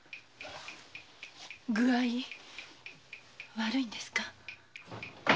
具合悪いんですか？